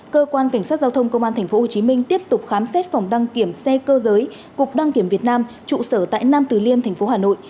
cơ quan cảnh sát giao thông công an thành phố hồ chí minh tiếp tục khám xét phòng đăng kiểm xe cơ giới cục đăng kiểm việt nam trụ sở tại nam tử liêm thành phố hà nội